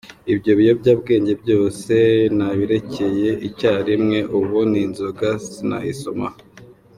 Ibyo biyobyabwenge byose nabirekeye icya rimwe, ubu n’inzoga sinayisomaho.